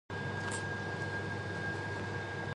The bishop's residence is Bishop's House, Gosforth.